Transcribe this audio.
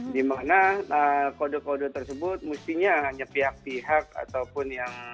dimana kode kode tersebut mestinya hanya pihak pihak ataupun yang